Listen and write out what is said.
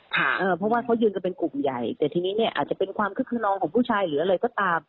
เพราะว่าเขายืนกันเป็นกลุ่มใหญ่แต่ทีนี้เนี่ยอาจจะเป็นความคึกขนองของผู้ชายหรืออะไรก็ตาม